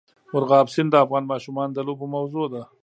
مورغاب سیند د افغان ماشومانو د لوبو موضوع ده.